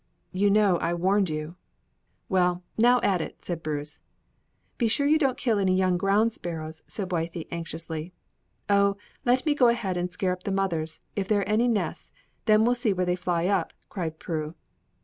"You know I warned you." "Well, now at it," said Bruce. "Be sure you don't kill any young ground sparrows," said Wythie, anxiously. "Oh, let me go ahead and scare up the mothers if there are any nests, then we'll see where they fly up," cried Prue.